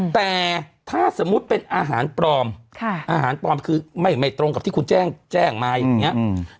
แต่ถ้าสมมุติเป็นอาหารปลอมอาหารปลอมคือไม่ตรงกับที่คุณแจ้งแจ้งมาอย่างนี้